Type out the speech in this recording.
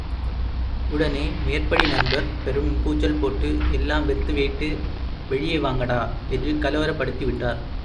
உடனே மேற்படி நண்பர் பெரும் கூச்சல் போட்டு எல்லாம் வெத்து வேட்டு வெளியே வாங்கடா என்று கலவரப்படுத்தி விட்டார்.